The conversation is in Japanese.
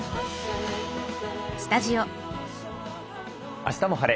「あしたも晴れ！